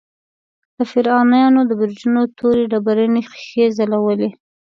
د فرعونیانو د برجونو تورې ډبرینې ښیښې ځلولې.